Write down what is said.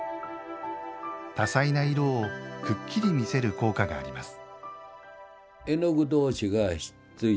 多彩な色をくっきり見せる効果があります。